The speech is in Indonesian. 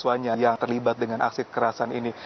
suanya yang terlibat dengan aksi kerasan ini